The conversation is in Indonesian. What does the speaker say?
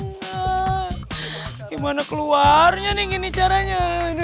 gimana keluarnya nih caranya